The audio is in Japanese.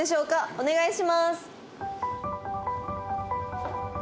お願いします。